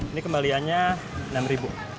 ini kembaliannya enam ribu